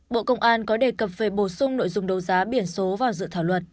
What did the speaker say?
bộ công an có đề cập về bổ sung nội dung đấu giá biển số vào dự thảo luật